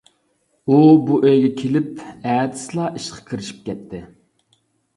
ئۇ، بۇ ئۆيگە كېلىپ ئەتىسىلا ئىشقا كىرىشىپ كەتتى.